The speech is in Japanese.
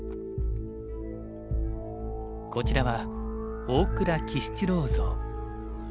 こちらは大倉喜七郎像。